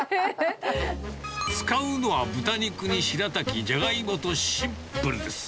使うのは豚肉にしらたき、じゃがいもとシンプルです。